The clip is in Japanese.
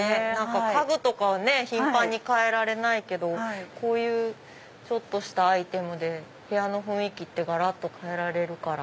家具とかは頻繁に替えられないけどこういうちょっとしたアイテムで部屋の雰囲気って変えられるから。